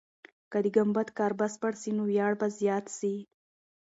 که د ګمبد کار بشپړ سي، نو ویاړ به زیات سي.